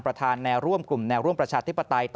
ประธานแนวร่วมกลุ่มแนวร่วมประชาธิปไตย